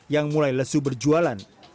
yang mulai lesu berjualan